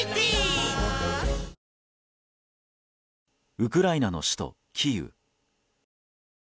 ウクライナの首都キーウ。